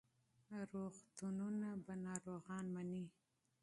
روغتونونه به ناروغان مني.